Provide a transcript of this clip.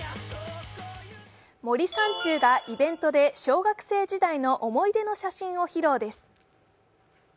森三中がイベントで、小学生時代の思い出の写真を披露です。